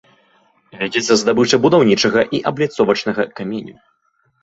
Вядзецца здабыча будаўнічага і абліцовачнага каменю.